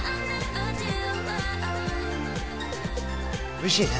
おいしいね。